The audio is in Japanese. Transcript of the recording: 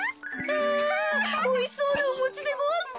あおいしそうなおもちでごわす。